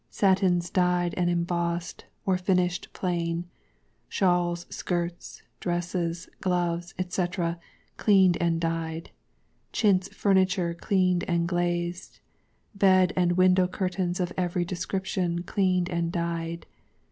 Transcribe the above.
Satins Dyed and Embossed, or Finished Plain, Shawls, Silks, Dresses, Gloves, &c., Cleaned and Dyed. Chintz Furniture Cleaned and Glazed. Bed and Window Curtains of every description Cleaned and Dyed.